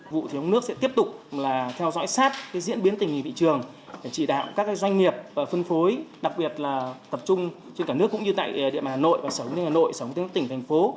vụ thiếu nước sẽ tiếp tục theo dõi sát diễn biến tình hình thị trường để chỉ đạo các doanh nghiệp phân phối đặc biệt là tập trung trên cả nước cũng như tại địa bàn hà nội và sống lên hà nội sống từ các tỉnh thành phố